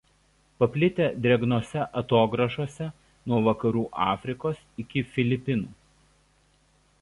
Paplitę drėgnose atogrąžose nuo vakarų Afrikos iki Filipinų.